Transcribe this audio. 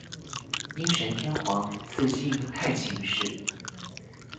应神天皇赐姓太秦氏。